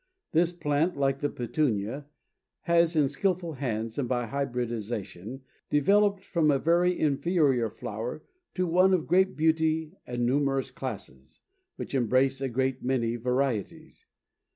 This plant, like the Petunia, has in skillful hands and by hybridization, developed from a very inferior flower to one of great beauty and numerous classes, which embrace a great many varieties.